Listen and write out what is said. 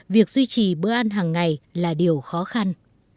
việc duy trì bữa ăn hàng ngày là điều khó khăn